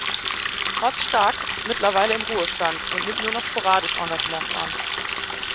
Horst Stark ist mittlerweile im Ruhestand und nimmt nur noch sporadisch Engagements an.